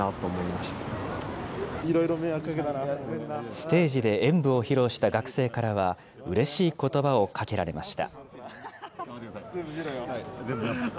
ステージで演舞を披露した学生からは、うれしいことばをかけられました。